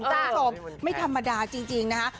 ต้องทบไม่ธรรมดาจริงนะฮะ